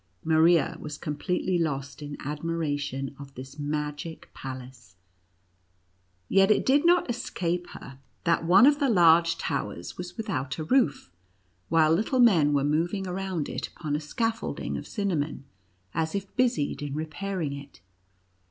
Maria was completely lost in ad miration of this magic palace, yet it did not escape her that one of the large towers was 124: NUTCRACKER AND MOUSE KING. without a roof, while little men were moving around it upon a scaffolding of cinnamon, as if busied in repairing it.